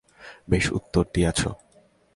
বেশ উত্তর দিয়াছ।